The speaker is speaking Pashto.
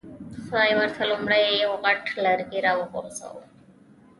خدای ورته لومړی یو غټ لرګی را وغورځاوه.